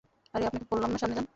আরে, আপনাকে বললাম না সামনে যান!